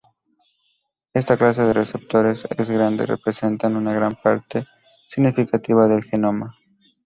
Esta clase de receptores es grande, representan una parte significativa del genoma.